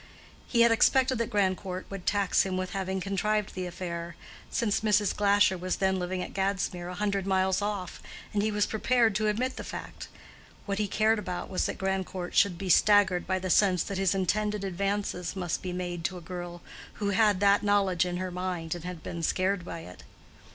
He had expected that Grandcourt would tax him with having contrived the affair, since Mrs. Glasher was then living at Gadsmere, a hundred miles off, and he was prepared to admit the fact: what he cared about was that Grandcourt should be staggered by the sense that his intended advances must be made to a girl who had that knowledge in her mind and had been scared by it.